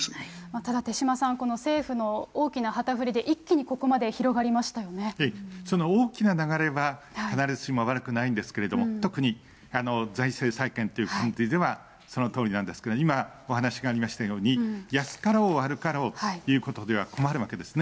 ただ手嶋さん、政府の大きな旗振りで一気にここまで広がりまその大きな流れは、必ずしも悪くないんですけれども、特に財政再建という観点ではそのとおりなんですけれども、今、お話がありましたように、安かろう悪かろうということでは困るわけですね。